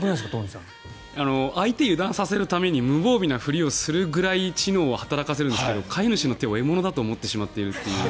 相手を油断させるために無防備なふりをするぐらい知能を働かせるんですが飼い主の手を獲物だと思ってしまっているという。